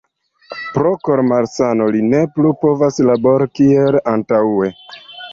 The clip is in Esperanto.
Pro kor-malsano li ne plu povas labori kiel antaŭe.